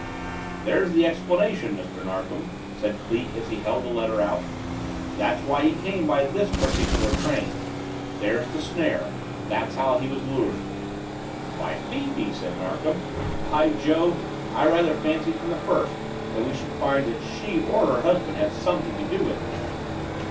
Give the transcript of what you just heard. "There's the explanation, Mr. Narkom," said Cleek as he held the letter out. "That's why he came by this particular train. There's the snare. That's how he was lured." "By Fifi!" said Narkom. "By Jove! I rather fancied from the first that we should find that she or her husband had something to do with it."